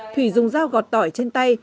thủy dùng dao gọt tỏi trên tay